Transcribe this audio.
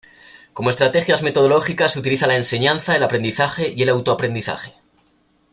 Como estrategias metodológicas utiliza la enseñanza, el aprendizaje y el autoaprendizaje.